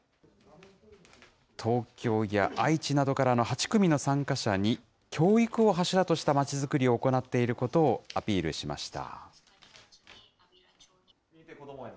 東京や愛知などからの８組の参加者に、教育を柱とした町づくりを行っていることをアピールしました。